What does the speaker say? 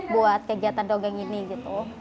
buat kegiatan dongeng ini gitu